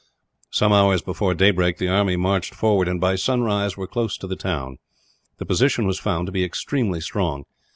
Some hours before daybreak the army marched forward and, by sunrise, were close to the town. The position was found to be extremely strong.